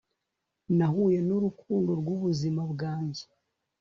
nahuye n'urukundo rw'ubuzima bwanjye